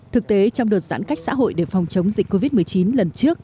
thực tế trong đợt giãn cách xã hội để phòng chống dịch covid một mươi chín lần trước